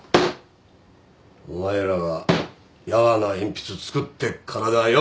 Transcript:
お前らがやわな鉛筆作ってっからだよ。